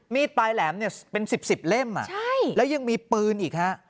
มีดปลายแหลมเนี่ยเป็น๑๐๑๐เล่มแล้วยังมีปืนอีกฮะ